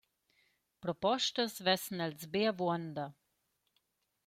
Propostas vessan els be avuonda.